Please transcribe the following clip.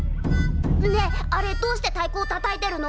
ねえあれどうしてたいこをたたいてるの？